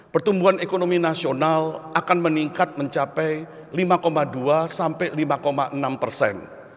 pertumbuhan ekonomi nasional akan meningkat mencapai lima dua sampai lima enam persen